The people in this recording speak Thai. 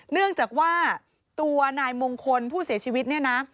เนื่องจากว่าตัวนายมงคลผู้เสียชีวิตเนี่ยนะ